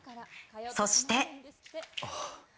そして。